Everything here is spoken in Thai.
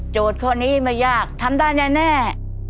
ข้อนี้ไม่ยากทำได้แน่